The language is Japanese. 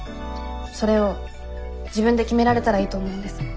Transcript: それを自分で決められたらいいと思うんです。